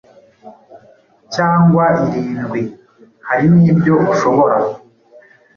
cyangwa irindwi.” Hari n’ibyo ushobora